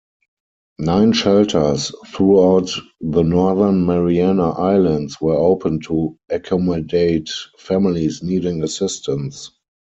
Nine shelters throughout the Northern Mariana Islands were opened to accommodate families needing assistance.